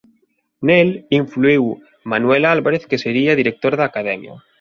Nel influíu Manuel Álvarez que sería director da Academia.